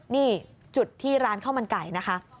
นี่จุดที่ร้านข้าวมันไก่นะคะ